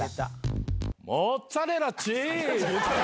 モッツァレラチズ。